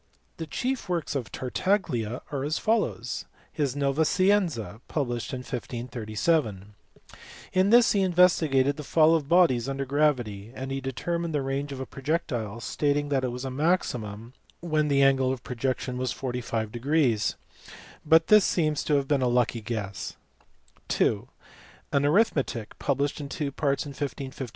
The chief works of Tartaglia are as follows, (i) His A Vow 9Ct6ttft, published in 15;>7 : in this he investigated the fall of bodies under gravity ; and he determined the range of a pro jectile, stating that it was a maximum when the angle of projection was 45, but this seems to have been a lucky guess, (ii) An arithmetic published in two parts in ir>.">i&gt